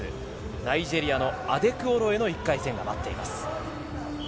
ナイジェリアのアデクオロエの１回戦が待っています。